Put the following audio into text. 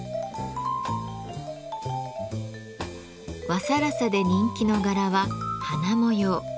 和更紗で人気の柄は花模様。